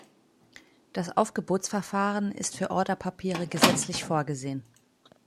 Das Aufgebotsverfahren ist für Orderpapiere gesetzlich vorgesehen.